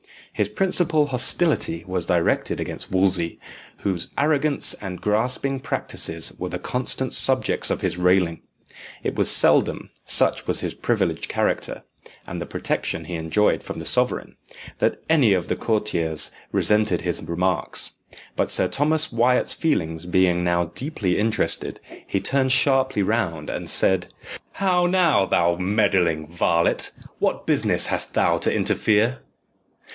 His principal hostility was directed against Wolsey, whose arrogance and grasping practices were the constant subjects of his railing. It was seldom, such was his privileged character, and the protection he enjoyed from the sovereign, that any of the courtiers resented his remarks; but Sir Thomas Wyat's feelings being now deeply interested, he turned sharply round, and said, "How now, thou meddling varlet, what business hast thou to interfere?"